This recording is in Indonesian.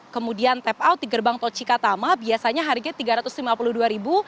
kemudian tap out di gerbang tol cikatama biasanya harganya rp tiga ratus lima puluh dua